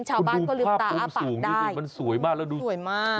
ชาวบ้านก็ลืมตาอ้าปากได้มันสวยมากแล้วดูสวยมาก